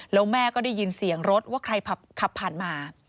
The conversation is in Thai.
แล้วแม่ก็ได้ยินเสียงรถว่าใครขับผ่านมา